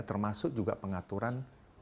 termasuk juga pengaturan